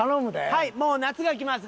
はいもう夏が来ます。